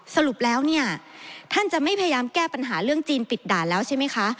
สรุปแล้วเนี่ยท่านจะไม่พยายามแก้ปัญหาเรื่องจีนปิดด่านแล้วใช่ไหมคะ